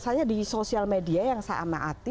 misalnya di sosial media yang saya amati